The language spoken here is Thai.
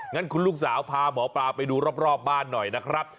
งั้นคุณลูกสาวพาหมอปลาไปดูรอบบ้านหน่อยนะครับ